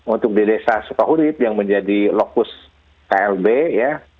untuk di desa sukahurib yang menjadi lokus klb ya